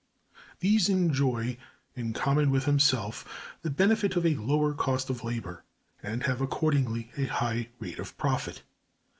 These enjoy, in common with himself, the benefit of a low cost of labor, and have accordingly a high rate of profit.